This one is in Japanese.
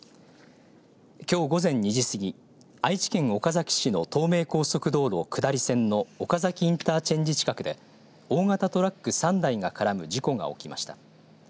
きょう午前２時過ぎ愛知県岡崎市の東名高速道路下り線の岡崎インターチェンジ近くで大型トラック３台が絡む事故が起きました。